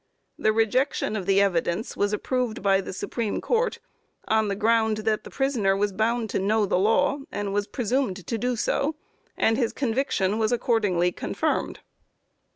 The rejection of the evidence was approved by the Supreme Court on the ground that the prisoner was bound to know the law, and was presumed to do so, and his conviction was accordingly confirmed.